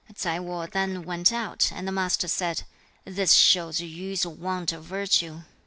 6. Tsai Wo then went out, and the Master said, 'This shows Yu's want of virtue.